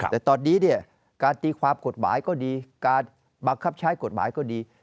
แต่ตอนนี้เนี่ยการตีความกฎหมายก็ดีการบังคับใช้กฎหมายก็ดี